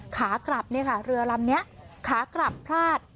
ขากรับเรือลำนี้ขากรับพลาส